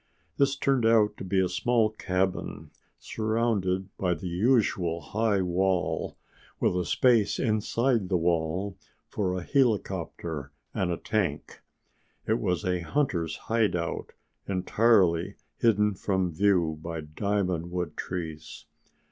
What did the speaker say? This turned out to be a small cabin, surrounded by the usual high wall, with a space inside the wall for a helicopter and a tank. It was a hunters' hideout entirely hidden from view by diamond wood trees.